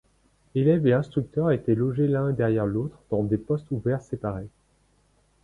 Élève et instructeur étaient logés l'un derrière l'autre dans des postes ouverts séparés.